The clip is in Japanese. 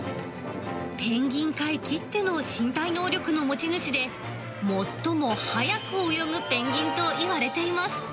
ペンギン界きっての身体能力の持ち主で、最も速く泳ぐペンギンといわれています。